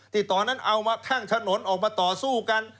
ตอนนั้นเอามาข้างถนนออกมาต่อสู้กัน